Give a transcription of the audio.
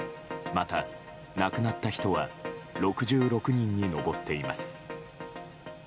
また、亡くなった人は６６人に上っています。